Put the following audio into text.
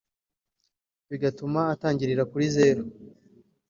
bigatuma atangirira kuri zeru